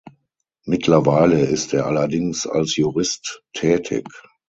Mittlerweile ist er allerdings als Jurist tätig.